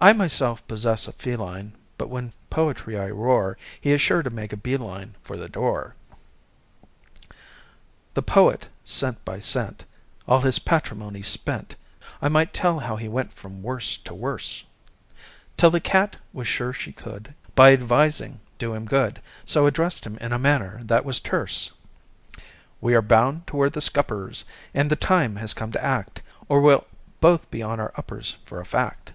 (I myself possess a feline, But when poetry I roar He is sure to make a bee line For the door.) The poet, cent by cent, All his patrimony spent (I might tell how he went from werse to werse!) Till the cat was sure she could, By advising, do him good So addressed him in a manner that was terse: "We are bound toward the scuppers, And the time has come to act, Or we'll both be on our uppers For a fact!"